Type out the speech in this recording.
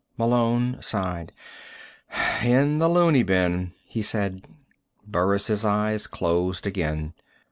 Malone sighed. "In the looney bin," he said. Burris' eyes closed again.